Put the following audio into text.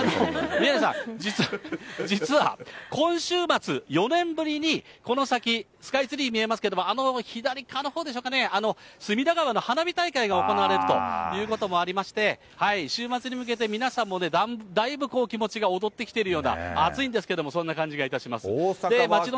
宮根さん、実は今週末、４年ぶりにこの先、スカイツリー見えますけれども、あの左側のほうですかね、隅田川の花火大会が行われるということもありまして、週末に向けて、皆さんもね、だいぶ気持ちが躍ってきてるような、暑いんですけども、そんな感じがいたします。